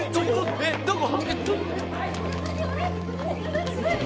えっどこ？